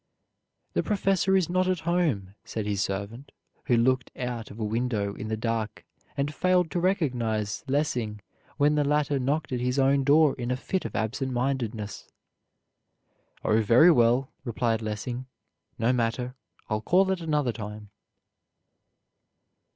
"The professor is not at home," said his servant who looked out of a window in the dark and failed to recognize Lessing when the latter knocked at his own door in a fit of absent mindedness. "Oh, very well," replied Lessing. "No matter, I'll call at another time."